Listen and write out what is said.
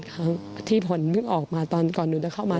ประสงค์ที่ผลเพิ่งออกมาก่อนดูแล้วเข้ามา